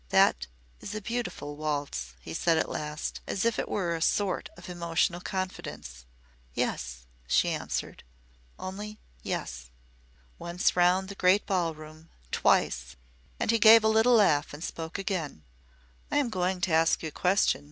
"That is a beautiful waltz," he said at last, as if it were a sort of emotional confidence. "Yes," she answered. Only, "Yes." Once round the great ballroom, twice, and he gave a little laugh and spoke again. "I am going to ask you a question.